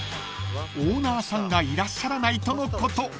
［オーナーさんがいらっしゃらないとのこと］